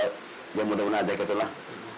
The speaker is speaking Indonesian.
ya mudah mudahan aja gitu lah